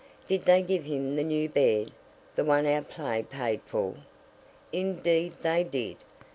"Did they give him the new bed? The one our play paid for?" "Indeed, they did.